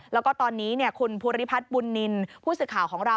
แล้วก็ตอนนี้คุณภูริพัฒน์บุญนินทร์ผู้สื่อข่าวของเรา